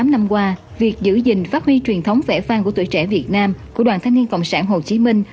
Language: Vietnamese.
tám mươi năm năm qua việc giữ gìn phát huy truyền thống vẽ vang của tuổi trẻ việt nam của đoàn thanh niên cộng sản hồ chí minh